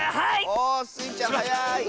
おスイちゃんはやい！